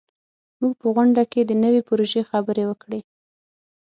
موږ په غونډه کې د نوي پروژې خبرې وکړې.